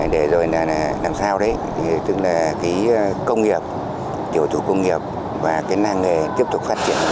để rồi là làm sao đấy tức là cái công nghiệp tiểu thủ công nghiệp và cái năng nghề tiếp tục phát triển